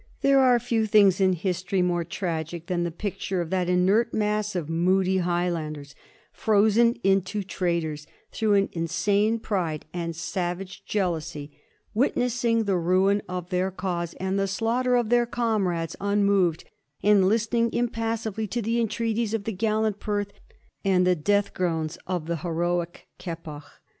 There are few things in history more tragic than the picture of that inert mass of moody Highlanders, frozen into traitors through an insane pride and savage jealousy, witnessing the ruin of their cause and the slaughter of their comrades unmoved, and listen ing impassively to the entreaties of the gallant Perth and the death groans of the heroic Keppoch.